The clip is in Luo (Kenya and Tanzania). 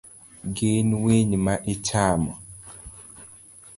Gin winy ma ichamo?